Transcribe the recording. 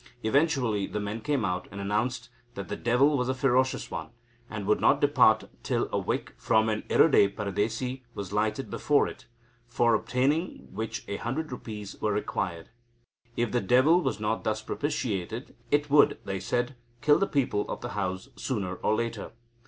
Eventually the men came out, and announced that the devil was a ferocious one, and would not depart till a wick from an Erode paradesi was lighted before it, for obtaining which a hundred rupees were required. If the devil was not thus propitiated, it would, they said, kill the people of the house sooner or later.